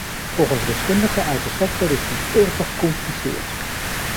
Volgens deskundigen uit de sector is die veel te gecompliceerd.